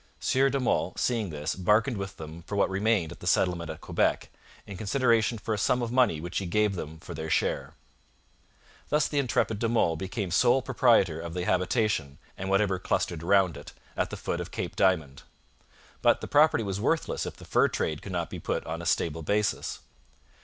Sieur de Monts, seeing this, bargained with them for what remained at the settlement at Quebec, in consideration of a sum of money which he gave them for their share.' Thus the intrepid De Monts became sole proprietor of the habitation, and whatever clustered round it, at the foot of Cape Diamond. But the property was worthless if the fur trade could not be put on a stable basis.